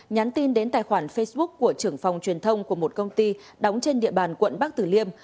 nhắn tin đến tài khoản facebook của trưởng phòng truyền thông của một công ty đóng trên địa bàn quận bắc tử liêm